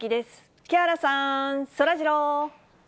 木原さん、そらジロー。